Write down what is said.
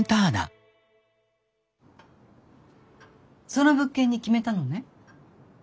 その物件に決めたのね。